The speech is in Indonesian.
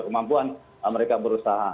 kemampuan mereka berusaha